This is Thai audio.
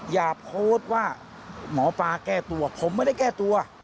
อย่าโพสต์ว่าหมอปลาแก้ตัวผมไม่ได้แก้ตัว